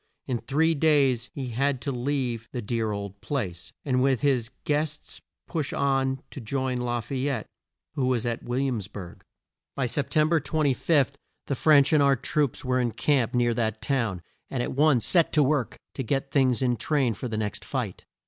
In three days he had to leave the dear old place, and with his guests push on to join La fay ette, who was at Will iams burg. By Sep tem ber 25, the French and our troops were in camp near that town, and at once set to work to get things in train for the next fight.